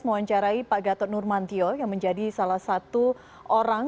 mewawancarai pak gatot nurmantio yang menjadi salah satu orang